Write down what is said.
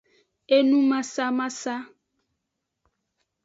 Enumasamasa.